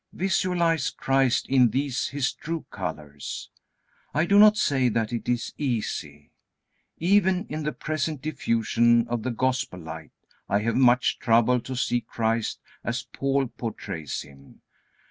Visualize Christ in these His true colors. I do not say that it is easy. Even in the present diffusion of the Gospel light, I have much trouble to see Christ as Paul portrays Him.